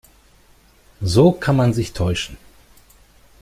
So kann man sich täuschen.